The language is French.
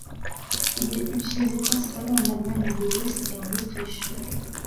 Il est utilisé principalement en Allemagne de l'ouest et en Autriche.